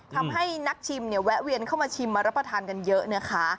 ทำให้นักชิมเนี่ยแวะเวียนเข้ามาชิมมารับประทานกันเยอะนะคะ